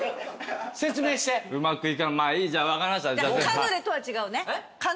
カヌレとは違うね？